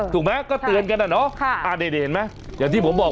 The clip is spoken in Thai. ถูกไหมก็เตือนกันอ่ะเนาะนี่เห็นไหมอย่างที่ผมบอก